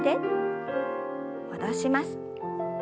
戻します。